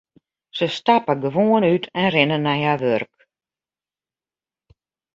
Se stappe gewoan út en rinne nei har wurk.